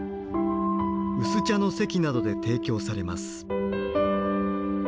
薄茶の席などで提供されます。